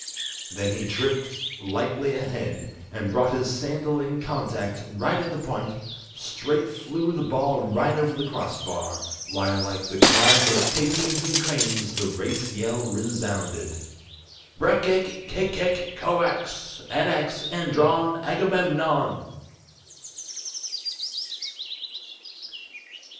Then he tripped lightly ahead, and brought his sandal in contact Right at the point; straight flew the ball right over the crossbar, While like the cries of pygmies and cranes the race yell resounded: "_Breck ek kek kek koax, Anax andron, Agamemnon!